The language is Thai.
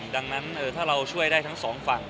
ดังนั้นถ้าเราช่วยได้ทั้งสองฝั่ง